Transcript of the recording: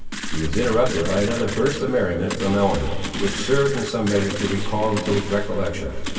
He was interrupted by another burst of merriment from Ellen, which served, in some measure, to recall him to his recollection.